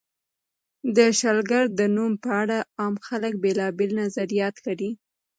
د شلګر د نوم په اړه عام خلک بېلابېل نظریات لري.